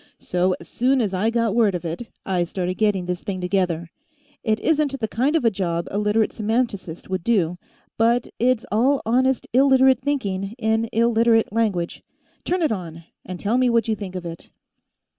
"So, as soon as I got word of it, I started getting this thing together. It isn't the kind of a job a Literate semanticist would do, but it's all honest Illiterate thinking, in Illiterate language. Turn it on, and tell me what you think of it."